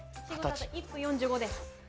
１分４５です。